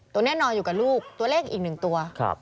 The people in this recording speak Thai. ตัวเนี่ยนอนอยู่กับลูกตัวเลขอีกหนึ่งตัว